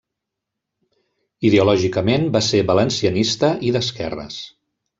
Ideològicament va ser valencianista i d'esquerres.